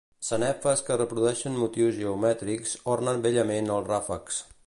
Sanefes que reprodueixen motius geomètriques ornen bellament els ràfecs.